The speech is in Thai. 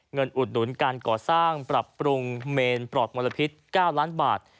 อุดหนุนการก่อสร้างปรับปรุงเมนปลอดมลพิษ๙ล้านบาท